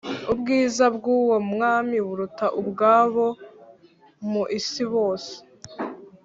Ubwiza bw’uwo mwami buruta ubwabo mu isi bose